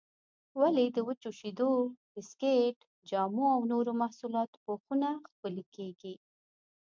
ولې د وچو شیدو، بسکېټ، جامو او نورو محصولاتو پوښونه ښکلي کېږي؟